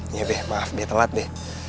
iya be maaf biar telat be